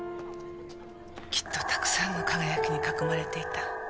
きっとたくさんの輝きに囲まれていた。